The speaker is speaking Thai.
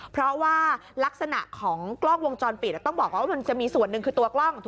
เพราะว่ารักษณะของกล้องวงจรปิดต้องบอกว่ามันจะมีส่วนหนึ่งคือตัวกล้อง